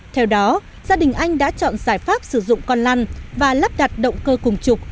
theo đó gia đình anh đã chọn giải pháp sử dụng con lăn và lắp đặt động cơ cùng trục